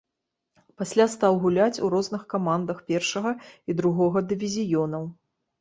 Пасля стаў гуляць у розных камандах першага і другога дывізіёнаў.